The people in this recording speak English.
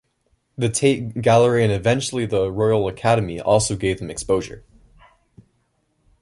The Tate gallery and eventually the Royal Academy also gave them exposure.